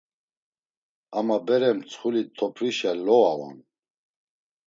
Ama bere mtsxuli toprişa loa on.